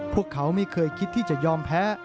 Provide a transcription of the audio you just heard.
พวกเขาไม่เคยคิดที่จะยอมแพ้